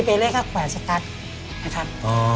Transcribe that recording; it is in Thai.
ตัวเลขก็แขวนสกัดนะครับ